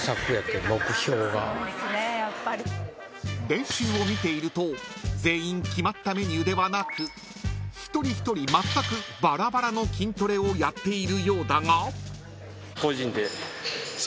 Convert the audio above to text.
［練習を見ていると全員決まったメニューではなく一人一人まったくバラバラの筋トレをやっているようだが］